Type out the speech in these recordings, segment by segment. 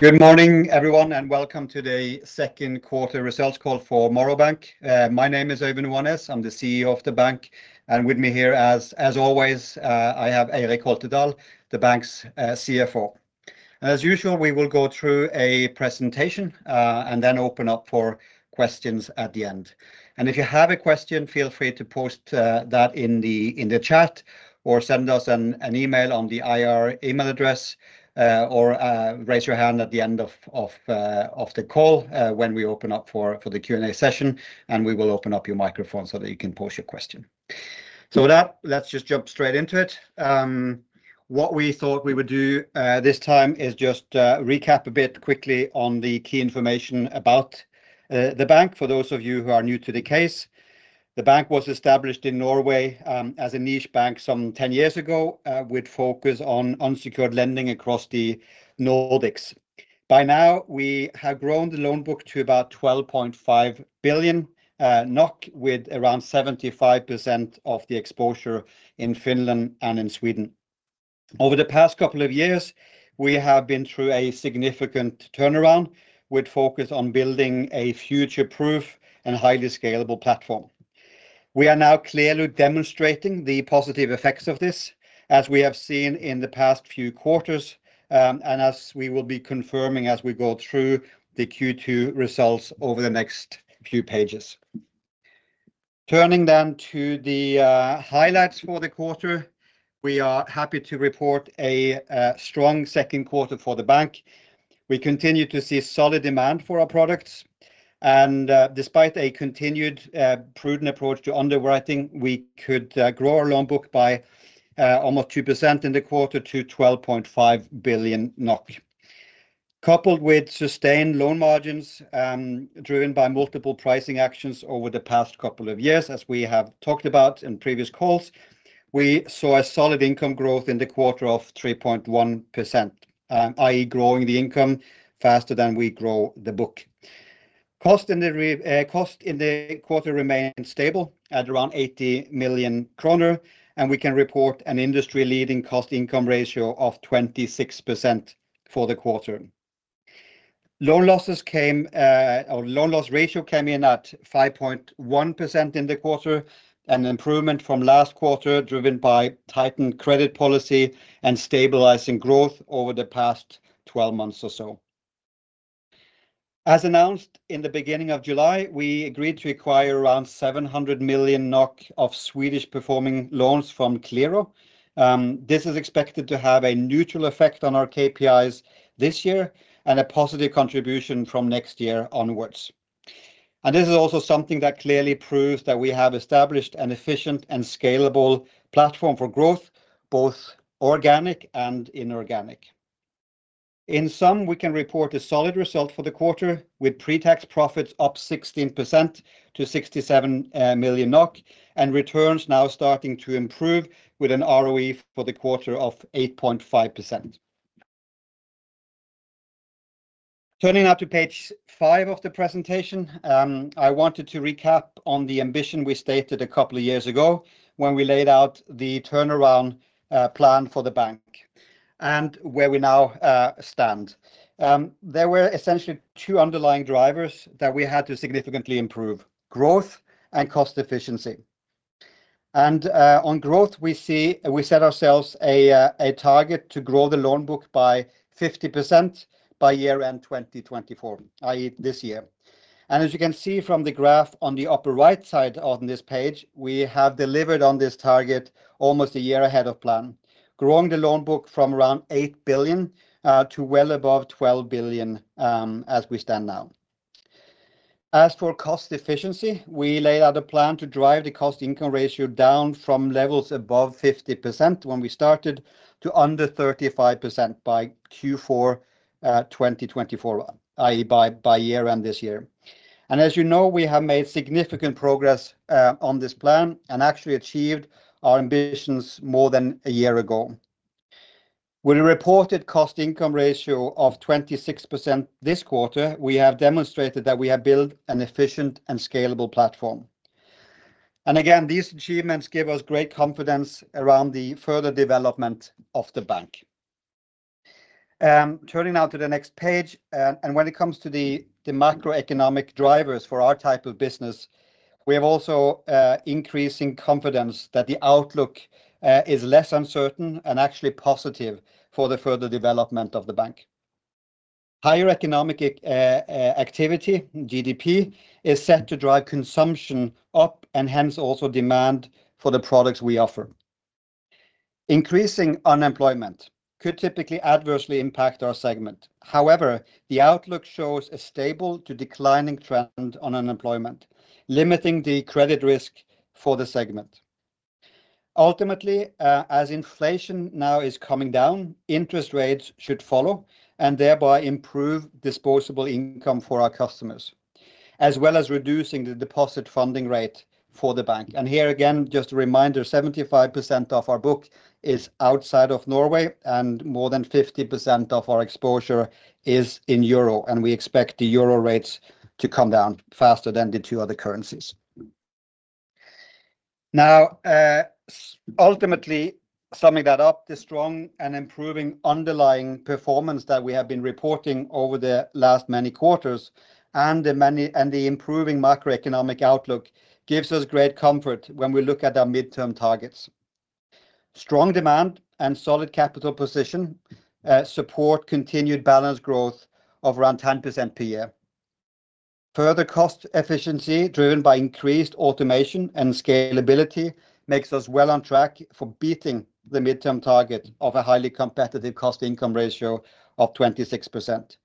Good morning, everyone, and welcome to the second quarter results call for Morrow Bank. My name is Øyvind Oanes. I'm the CEO of the bank, and with me here, as always, I have Eirik Holtedahl, the bank's CFO. As usual, we will go through a presentation and then open up for questions at the end. And if you have a question, feel free to post that in the chat, or send us an email on the IR email address, or raise your hand at the end of the call when we open up for the Q&A session, and we will open up your microphone so that you can pose your question. So with that, let's just jump straight into it. What we thought we would do, this time is just, recap a bit quickly on the key information about, the bank, for those of you who are new to the case. The bank was established in Norway, as a niche bank some 10 years ago, with focus on unsecured lending across the Nordics. By now, we have grown the loan book to about 12.5 billion NOK, with around 75% of the exposure in Finland and in Sweden. Over the past couple of years, we have been through a significant turnaround, with focus on building a future-proof and highly scalable platform. We are now clearly demonstrating the positive effects of this, as we have seen in the past few quarters, and as we will be confirming as we go through the Q2 results over the next few pages. Turning then to the highlights for the quarter, we are happy to report a strong second quarter for the bank. We continue to see solid demand for our products, and despite a continued prudent approach to underwriting, we could grow our loan book by almost 2% in the quarter to 12.5 billion NOK. Coupled with sustained loan margins, driven by multiple pricing actions over the past couple of years, as we have talked about in previous calls, we saw a solid income growth in the quarter of 3.1%, i.e., growing the income faster than we grow the book. Cost in the quarter remained stable at around 80 million kroner, and we can report an industry-leading cost-income ratio of 26% for the quarter. Loan losses came... Our loan loss ratio came in at 5.1% in the quarter, an improvement from last quarter, driven by tightened credit policy and stabilizing growth over the past 12 months or so. As announced in the beginning of July, we agreed to acquire around 700 million NOK of Swedish performing loans from Qliro. This is expected to have a neutral effect on our KPIs this year and a positive contribution from next year onwards. And this is also something that clearly proves that we have established an efficient and scalable platform for growth, both organic and inorganic. In sum, we can report a solid result for the quarter, with pre-tax profits up 16% to 67 million NOK, and returns now starting to improve, with an ROE for the quarter of 8.5%. Turning now to page 5 of the presentation, I wanted to recap on the ambition we stated a couple of years ago when we laid out the turnaround plan for the bank and where we now stand. There were essentially two underlying drivers that we had to significantly improve: growth and cost efficiency. And on growth, we set ourselves a target to grow the loan book by 50% by year-end 2024, i.e., this year. And as you can see from the graph on the upper right side on this page, we have delivered on this target almost a year ahead of plan, growing the loan book from around 8 billion to well above 12 billion as we stand now. As for cost efficiency, we laid out a plan to drive the cost-income ratio down from levels above 50% when we started, to under 35% by Q4 2024, i.e., by year-end this year. As you know, we have made significant progress on this plan and actually achieved our ambitions more than a year ago. With a reported cost-income ratio of 26% this quarter, we have demonstrated that we have built an efficient and scalable platform. And again, these achievements give us great confidence around the further development of the bank. Turning now to the next page, and when it comes to the macroeconomic drivers for our type of business, we have also increasing confidence that the outlook is less uncertain and actually positive for the further development of the bank. Higher economic activity, GDP, is set to drive consumption up and hence also demand for the products we offer. Increasing unemployment could typically adversely impact our segment. However, the outlook shows a stable to declining trend on unemployment, limiting the credit risk for the segment. Ultimately, as inflation now is coming down, interest rates should follow and thereby improve disposable income for our customers, as well as reducing the deposit funding rate for the bank. And here again, just a reminder, 75% of our book is outside of Norway, and more than 50% of our exposure is in euro, and we expect the euro rates to come down faster than the two other currencies. Now, ultimately, summing that up, the strong and improving underlying performance that we have been reporting over the last many quarters, and the improving macroeconomic outlook, gives us great comfort when we look at our midterm targets. Strong demand and solid capital position support continued balanced growth of around 10% per year. Further cost efficiency, driven by increased automation and scalability, makes us well on track for beating the midterm target of a highly competitive cost-income ratio of 26%.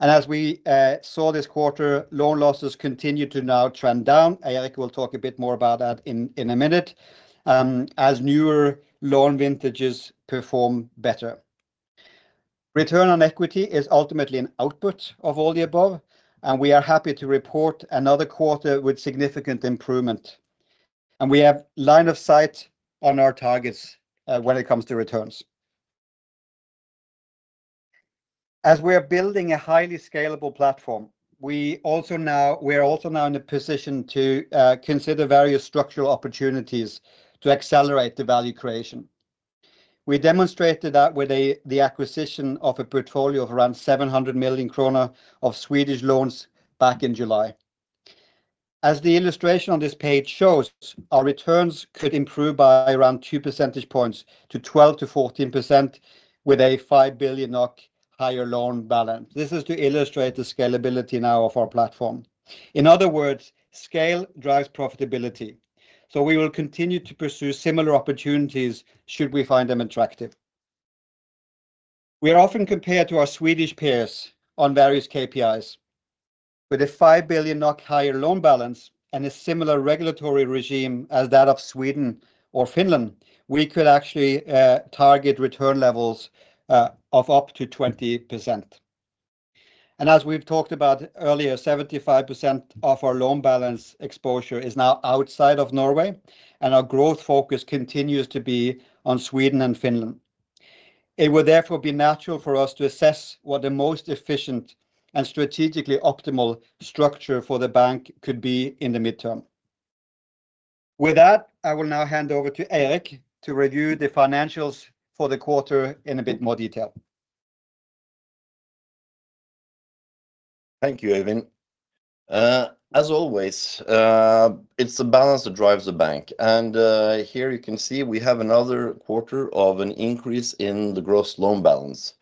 And as we saw this quarter, loan losses continue to now trend down, and Eirik will talk a bit more about that in a minute, as newer loan vintages perform better. Return on equity is ultimately an output of all the above, and we are happy to report another quarter with significant improvement, and we have line of sight on our targets, when it comes to returns. As we are building a highly scalable platform, we are also now in a position to consider various structural opportunities to accelerate the value creation. We demonstrated that with the acquisition of a portfolio of around 700 million kroner of Swedish loans back in July. As the illustration on this page shows, our returns could improve by around two percentage points, to 12%-14%, with a 5 billion NOK higher loan balance. This is to illustrate the scalability now of our platform. In other words, scale drives profitability, so we will continue to pursue similar opportunities should we find them attractive. We are often compared to our Swedish peers on various KPIs. With a 5 billion NOK higher loan balance and a similar regulatory regime as that of Sweden or Finland, we could actually target return levels of up to 20%. And as we've talked about earlier, 75% of our loan balance exposure is now outside of Norway, and our growth focus continues to be on Sweden and Finland. It would therefore be natural for us to assess what the most efficient and strategically optimal structure for the bank could be in the midterm. With that, I will now hand over to Eirik to review the financials for the quarter in a bit more detail. Thank you, Øyvind. As always, it's the balance that drives the bank, and here you can see we have another quarter of an increase in the gross loan balance.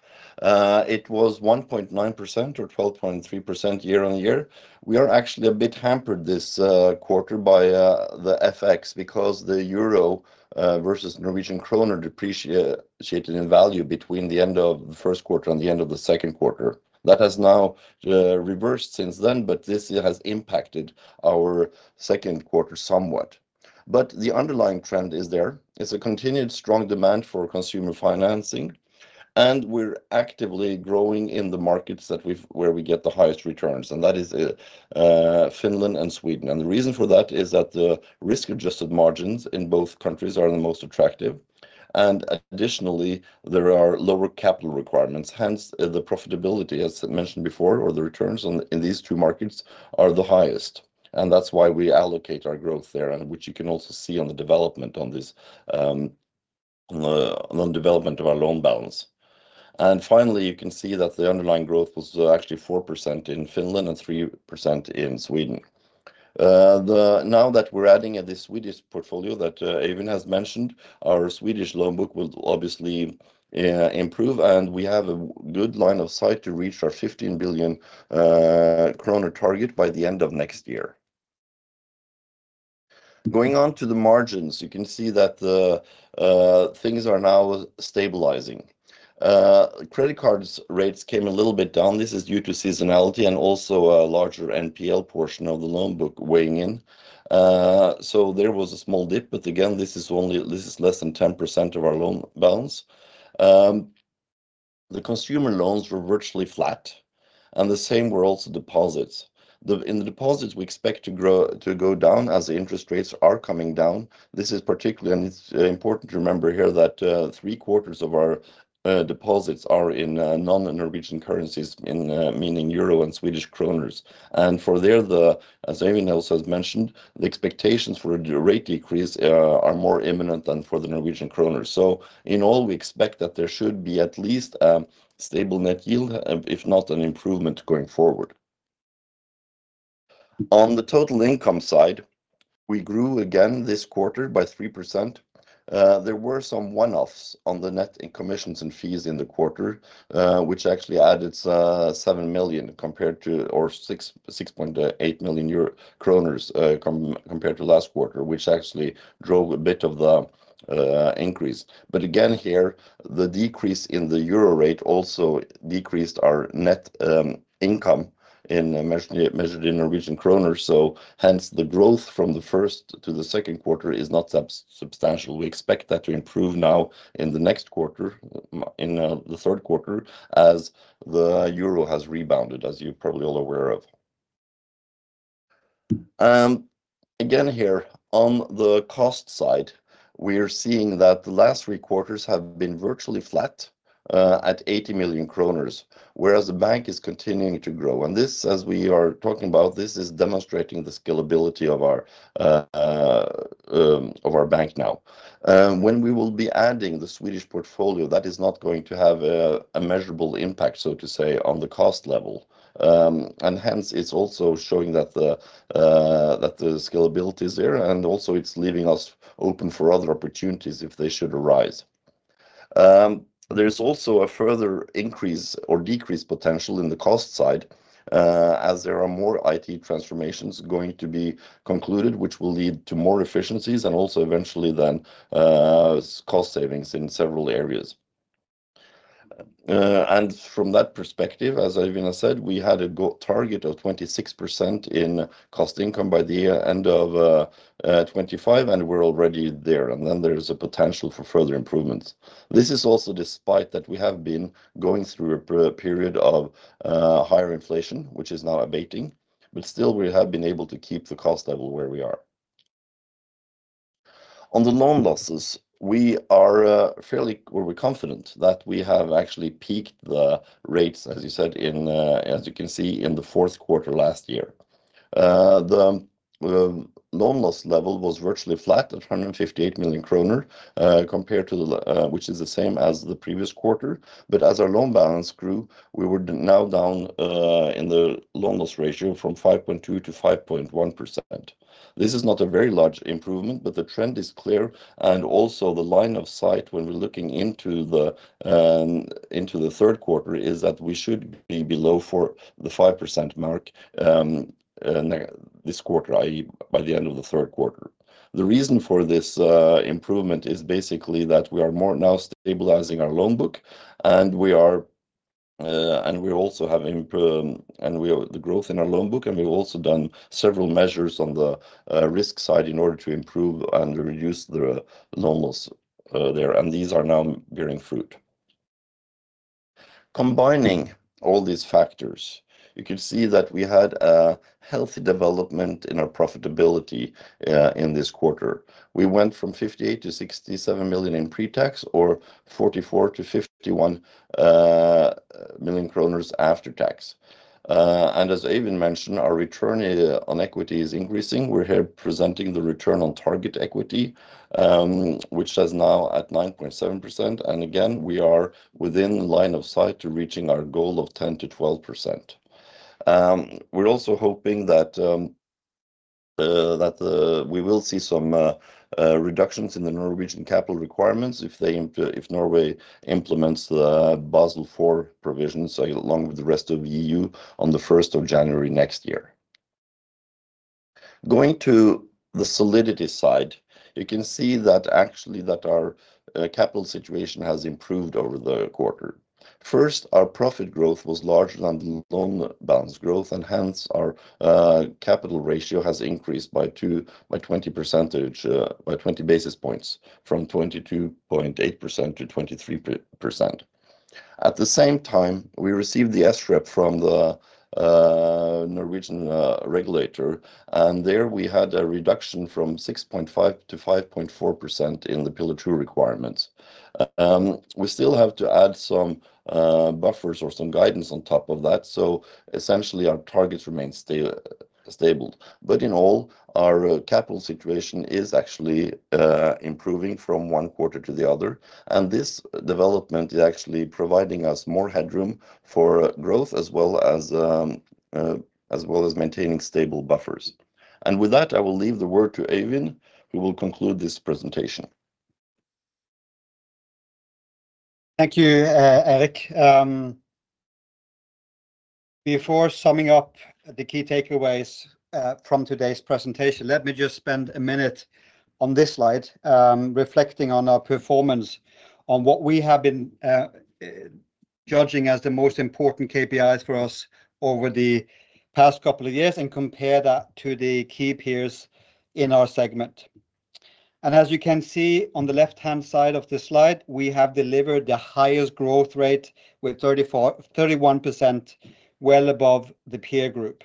It was 1.9%, or 12.3% year-on-year. We are actually a bit hampered this quarter by the FX, because the euro versus Norwegian kroner depreciated in value between the end of the first quarter and the end of the second quarter. That has now reversed since then, but this has impacted our second quarter somewhat. But the underlying trend is there. It's a continued strong demand for consumer financing, and we're actively growing in the markets where we get the highest returns, and that is Finland and Sweden. The reason for that is that the risk-adjusted margins in both countries are the most attractive, and additionally, there are lower capital requirements, hence, the profitability, as mentioned before, or the returns in these two markets are the highest. That's why we allocate our growth there, and which you can also see on the development of our loan balance. Finally, you can see that the underlying growth was actually 4% in Finland and 3% in Sweden. Now that we're adding the Swedish portfolio that Øyvind has mentioned, our Swedish loan book will obviously improve, and we have a good line of sight to reach our 15 billion kroner target by the end of next year. Going on to the margins, you can see that the things are now stabilizing. Credit cards rates came a little bit down. This is due to seasonality and also a larger NPL portion of the loan book weighing in. So there was a small dip, but again, this is only, this is less than 10% of our loan balance. The consumer loans were virtually flat, and the same were also deposits. In the deposits, we expect to grow, to go down as the interest rates are coming down. This is particularly, and it's important to remember here, that three quarters of our deposits are in non-Norwegian currencies, meaning euro and Swedish kronor. And for there, as Øyvind also has mentioned, the expectations for a rate decrease are more imminent than for the Norwegian kroner. In all, we expect that there should be at least a stable net yield, if not an improvement going forward. On the total income side, we grew again this quarter by 3%. There were some one-offs on the net in commissions and fees in the quarter, which actually added 7 million compared to... or NOK 6.8 million compared to last quarter, which actually drove a bit of the increase. Again, here, the decrease in the euro rate also decreased our net income measured in Norwegian kroner, so hence, the growth from the first to the second quarter is not substantial. We expect that to improve now in the next quarter, in the third quarter, as the euro has rebounded, as you are probably all aware of. Again, here, on the cost side... We are seeing that the last three quarters have been virtually flat, at 80 million kroner, whereas the bank is continuing to grow. And this, as we are talking about, this is demonstrating the scalability of our, of our bank now. When we will be adding the Swedish portfolio, that is not going to have a measurable impact, so to say, on the cost level. And hence, it's also showing that the scalability is there, and also it's leaving us open for other opportunities if they should arise. There's also a further increase or decrease potential in the cost side, as there are more IT transformations going to be concluded, which will lead to more efficiencies and also eventually then, cost savings in several areas. And from that perspective, as Øyvind said, we had a target of 26% in cost income by the end of 2025, and we're already there, and then there's a potential for further improvements. This is also despite that we have been going through a period of higher inflation, which is now abating, but still we have been able to keep the cost level where we are. On the loan losses, we are fairly... We're confident that we have actually peaked the rates, as you said, as you can see, in the fourth quarter last year. The loan loss level was virtually flat at 158 million kroner, which is the same as the previous quarter. But as our loan balance grew, we were now down in the loan loss ratio from 5.2 to 5.1%. This is not a very large improvement, but the trend is clear. And also the line of sight when we're looking into the third quarter, is that we should be below the 5% mark this quarter, i.e., by the end of the third quarter. The reason for this improvement is basically that we are more now stabilizing our loan book, and we also have the growth in our loan book, and we've also done several measures on the risk side in order to improve and reduce the loan loss there, and these are now bearing fruit. Combining all these factors, you can see that we had a healthy development in our profitability in this quarter. We went from 58 million to 67 million in pre-tax or 44 million to 51 million kroner after tax. And as Øyvind mentioned, our return on equity is increasing. We're here presenting the return on target equity, which is now at 9.7%. And again, we are within line of sight to reaching our goal of 10%-12%. We're also hoping that we will see some reductions in the Norwegian capital requirements if Norway implements the Basel IV provisions, so along with the rest of EU, on the first of January next year. Going to the solvency side, you can see that actually, our capital situation has improved over the quarter. First, our profit growth was larger than the loan balance growth, and hence, our capital ratio has increased by 20 basis points, from 22.8% to 23%. At the same time, we received the SREP from the Norwegian regulator, and there we had a reduction from 6.5% to 5.4% in the Pillar 2 requirements. We still have to add some buffers or some guidance on top of that, so essentially, our targets remain stable. But in all, our capital situation is actually improving from one quarter to the other, and this development is actually providing us more headroom for growth, as well as maintaining stable buffers. And with that, I will leave the word to Øyvind, who will conclude this presentation. Thank you, Erik. Before summing up the key takeaways from today's presentation, let me just spend a minute on this slide, reflecting on our performance on what we have been judging as the most important KPIs for us over the past couple of years, and compare that to the key peers in our segment. As you can see on the left-hand side of this slide, we have delivered the highest growth rate with 31%, well above the peer group.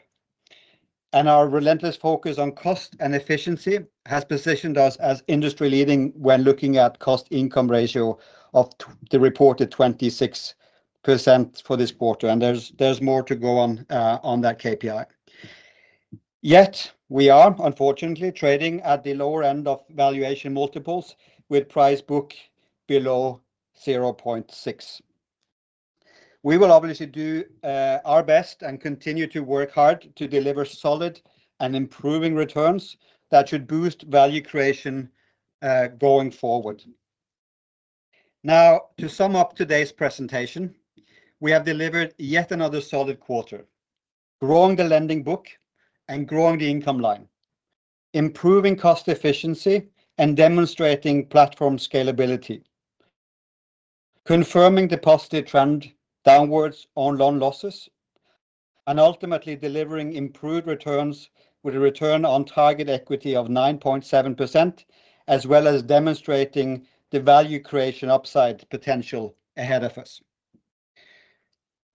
Our relentless focus on cost and efficiency has positioned us as industry-leading when looking at cost-income ratio of the reported 26% for this quarter, and there's more to go on that KPI. Yet, we are unfortunately trading at the lower end of valuation multiples with Price/Book below 0.6. We will obviously do our best and continue to work hard to deliver solid and improving returns that should boost value creation going forward. Now, to sum up today's presentation, we have delivered yet another solid quarter, growing the lending book and growing the income line, improving cost efficiency, and demonstrating platform scalability, confirming the positive trend downwards on loan losses, and ultimately, delivering improved returns with a return on target equity of 9.7%, as well as demonstrating the value creation upside potential ahead of us.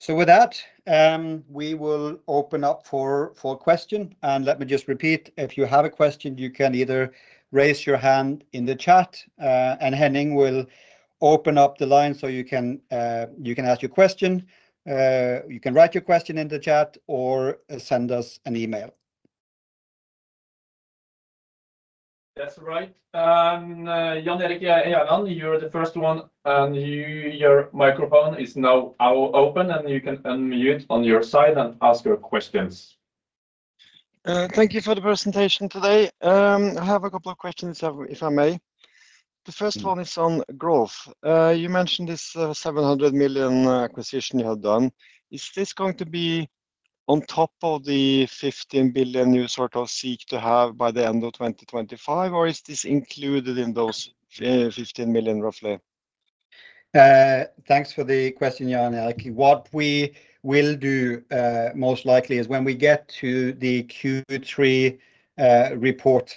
So with that, we will open up for question. And let me just repeat, if you have a question, you can either raise your hand in the chat, and Henning will open up the line so you can ask your question. You can write your question in the chat or send us an email. That's right. Jan Erik Gjerland, you're the first one, and your microphone is now open, and you can unmute on your side and ask your questions. Thank you for the presentation today. I have a couple of questions, if I may. The first one is on growth. You mentioned this 700 million acquisition you have done. Is this going to be on top of the 15 billion you sort of seek to have by the end of 2025, or is this included in those 15 billion, roughly? Thanks for the question, Jan Erik. What we will do, most likely, is when we get to the Q3 report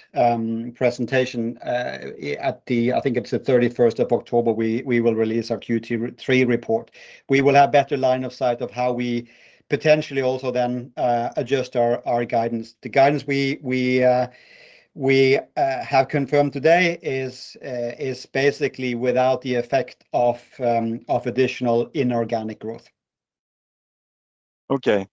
presentation, at the... I think it's the thirty-first of October, we will release our Q3 report. We will have better line of sight of how we potentially also then adjust our guidance. The guidance we have confirmed today is basically without the effect of additional inorganic growth. Okay,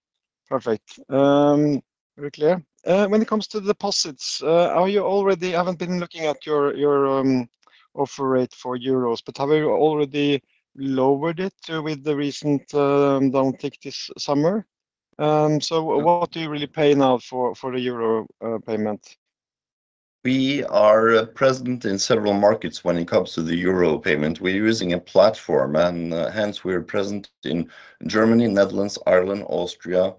perfect. Very clear. When it comes to deposits, are you already... I haven't been looking at your, your, offer rate for euros, but have you already lowered it with the recent, downtick this summer? So what do you really pay now for, for the euro, payment? We are present in several markets when it comes to the euro payment. We're using a platform, and hence, we're present in Germany, Netherlands, Ireland, Austria,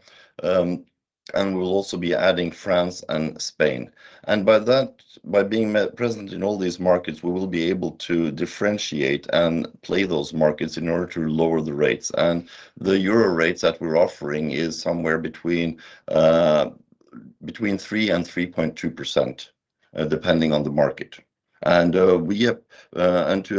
and we'll also be adding France and Spain. By that, by being present in all these markets, we will be able to differentiate and play those markets in order to lower the rates. The euro rates that we're offering is somewhere between 3% and 3.2%, depending on the market. To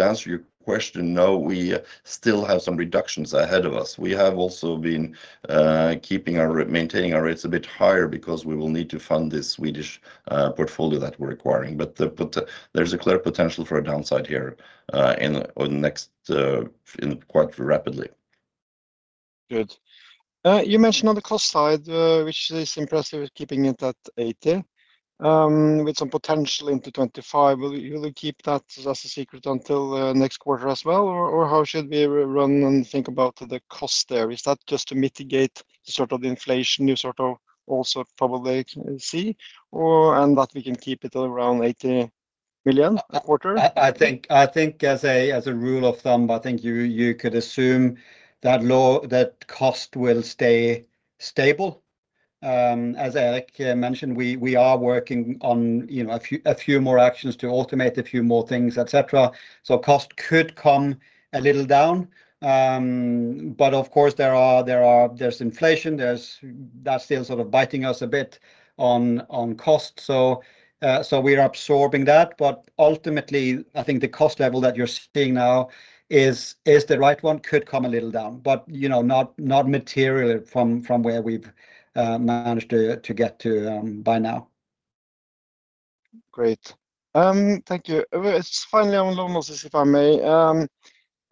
answer your question, no, we still have some reductions ahead of us. We have also been maintaining our rates a bit higher because we will need to fund this Swedish portfolio that we're acquiring. But there's a clear potential for a downside here, quite rapidly. Good. You mentioned on the cost side, which is impressive, keeping it at 80, with some potential into 2025. Will you, will you keep that as a secret until next quarter as well? Or, or how should we run and think about the cost there? Is that just to mitigate sort of the inflation you sort of also probably see, or, and that we can keep it around 80 million a quarter? I think as a rule of thumb, I think you could assume that cost will stay stable. As Eirik mentioned, we are working on, you know, a few more actions to automate a few more things, et cetera, so cost could come a little down. But of course, there is inflation. That's still sort of biting us a bit on cost, so we are absorbing that. But ultimately, I think the cost level that you're seeing now is the right one. Could come a little down, but, you know, not materially from where we've managed to get to by now. Great. Thank you. Well, just finally, on loan losses, if I may.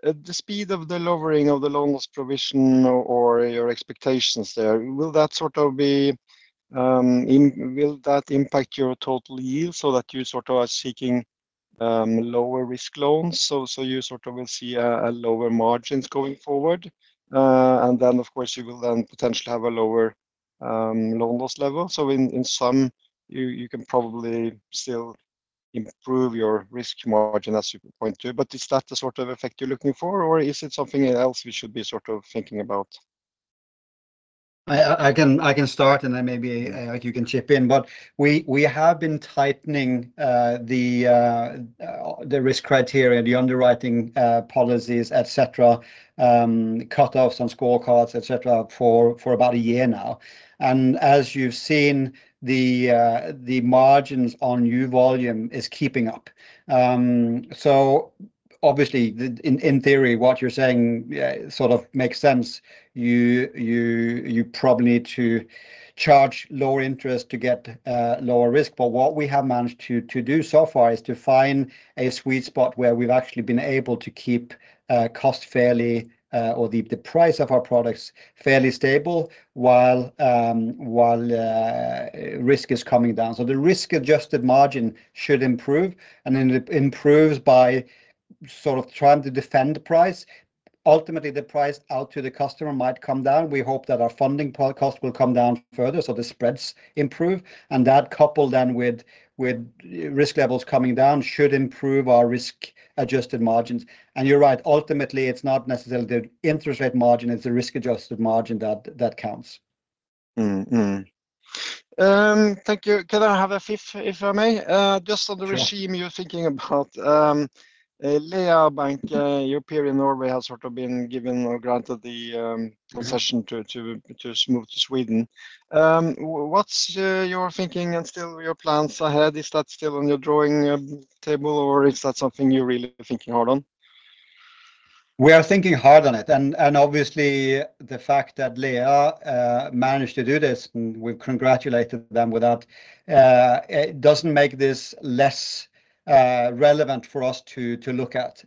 The speed of the lowering of the loan loss provision or your expectations there, will that sort of be, will that impact your total yield so that you sort of are seeking, lower-risk loans? So you sort of will see a lower margins going forward, and then, of course, you will then potentially have a lower, loan loss level. So in sum, you can probably still improve your risk margin, as you can point to. But is that the sort of effect you're looking for, or is it something else we should be sort of thinking about? I can start, and then maybe you can chip in. But we have been tightening the risk criteria, the underwriting policies, et cetera, cutoffs on scorecards, et cetera, for about a year now. And as you've seen, the margins on new volume is keeping up. So obviously, in theory, what you're saying, yeah, sort of makes sense. You probably need to charge lower interest to get lower risk. But what we have managed to do so far is to find a sweet spot where we've actually been able to keep cost fairly or the price of our products fairly stable while risk is coming down. So the risk-adjusted margin should improve, and it improves by sort of trying to defend the price. Ultimately, the price out to the customer might come down. We hope that our funding cost will come down further, so the spreads improve, and that, coupled then with, with risk levels coming down, should improve our risk-adjusted margins. And you're right, ultimately, it's not necessarily the interest rate margin, it's the risk-adjusted margin that, that counts. Mm-hmm. Thank you. Can I have a fifth, if I may? Just on the- Sure... regime you're thinking about. Lea Bank, your peer in Norway, has sort of been given or granted the, Mm-hmm... concession to smooth to Sweden. What's your thinking and still your plans ahead? Is that still on your drawing table, or is that something you're really thinking hard on?... We are thinking hard on it, and obviously, the fact that Lea managed to do this, and we've congratulated them with that, it doesn't make this less relevant for us to look at.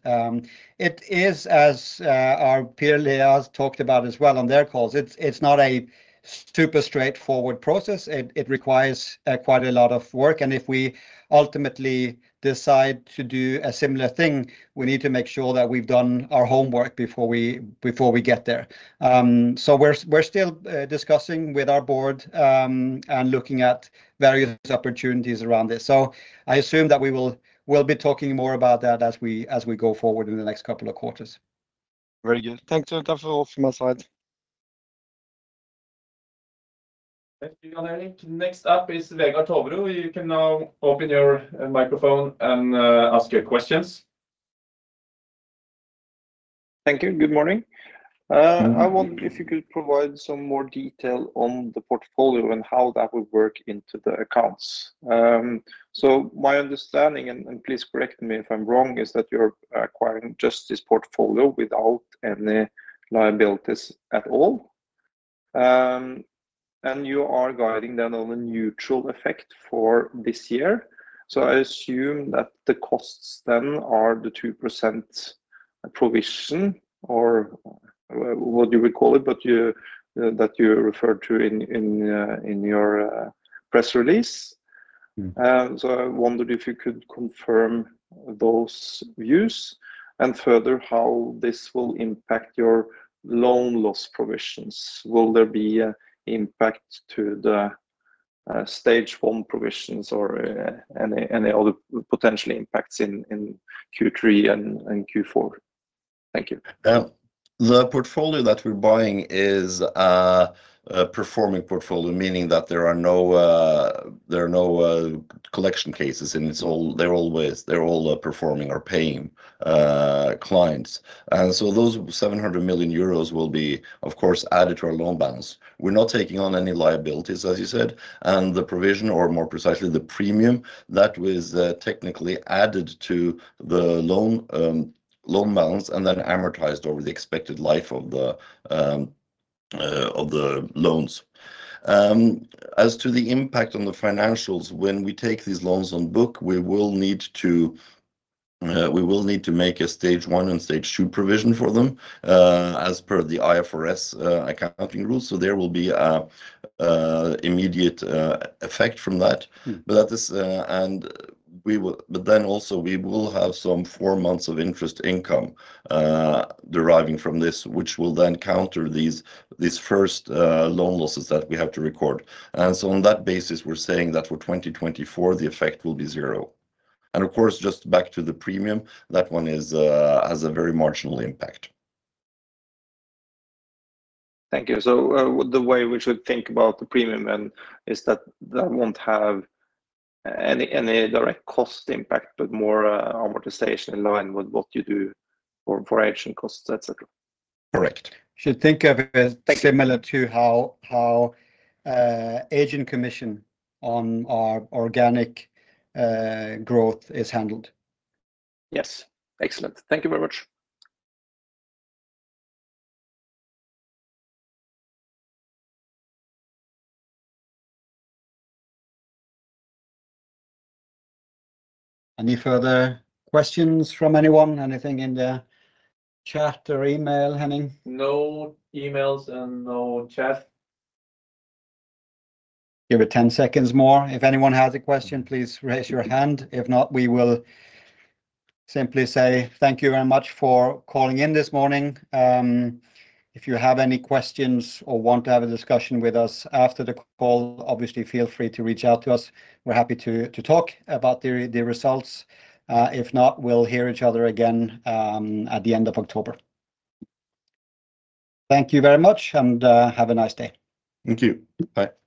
It is, as our peer Lea's talked about as well on their calls, it's not a super straightforward process. It requires quite a lot of work, and if we ultimately decide to do a similar thing, we need to make sure that we've done our homework before we get there. So we're still discussing with our board and looking at various opportunities around this. So I assume that we'll be talking more about that as we go forward in the next couple of quarters. Very good. Thank you. That's all from my side. Thank you, Jan Erik Gjerland. Next up is Vegard Toverud. You can now open your microphone and ask your questions. Thank you. Good morning. I wonder if you could provide some more detail on the portfolio and how that would work into the accounts. So my understanding, and please correct me if I'm wrong, is that you're acquiring just this portfolio without any liabilities at all. And you are guiding that on a neutral effect for this year. So I assume that the costs then are the 2% provision or what do we call it, but you that you referred to in your press release. Mm. I wondered if you could confirm those views, and further, how this will impact your loan loss provisions. Will there be an impact to the Stage 1 provisions or any other potentially impacts in Q3 and Q4? Thank you. The portfolio that we're buying is a performing portfolio, meaning that there are no collection cases, and it's all... They're always, they're all performing or paying clients. And so those NOK 700 million will be, of course, added to our loan balance. We're not taking on any liabilities, as you said, and the provision, or more precisely, the premium that was technically added to the loan balance, and then amortized over the expected life of the loans. As to the impact on the financials, when we take these loans on book, we will need to make a Stage 1 and Stage 2 provision for them, as per the IFRS accounting rules. So there will be an immediate effect from that. Mm. But that is. But then also we will have some four months of interest income deriving from this, which will then counter these, these first loan losses that we have to record. And so on that basis, we're saying that for 2024, the effect will be zero. And of course, just back to the premium, that one is has a very marginal impact. Thank you. So, the way we should think about the premium then is that that won't have any, any direct cost impact, but more, amortization in line with what you do for, for acquisition costs, et cetera? Correct. You should think of it- Thank you... as similar to how agent commission on our organic growth is handled. Yes. Excellent. Thank you very much. Any further questions from anyone? Anything in the chat or email, Henning? No emails and no chat. Give it 10 seconds more. If anyone has a question, please raise your hand. If not, we will simply say thank you very much for calling in this morning. If you have any questions or want to have a discussion with us after the call, obviously feel free to reach out to us. We're happy to talk about the results. If not, we'll hear each other again at the end of October. Thank you very much, and have a nice day. Thank you. Bye.